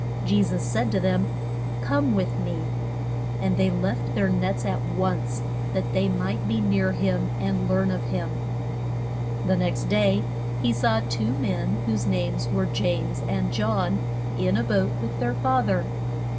Je sus said to them, Come with me. And they left their nets at once, that they might be near him and learn of him. The next day he saw two men whose names were James and John in a boat with their fa ther.